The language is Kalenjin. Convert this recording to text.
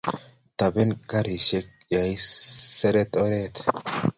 toben karisiek ya isirei oret